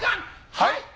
はい！